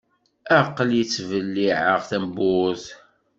Aql-i ttbelliεeɣ tawwurt.